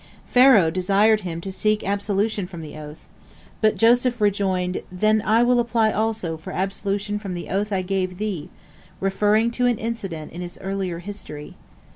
Pharaoh desired him to seek absolution from the oath. But Joseph rejoined, "Then will I apply also for absolution from the oath I gave thee," referring to an incident in his earlier history.